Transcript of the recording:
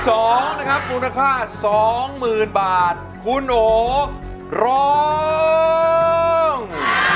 เพลงที่๒นะครับมูลค่า๒๐๐๐๐บาทคุณโอร้อง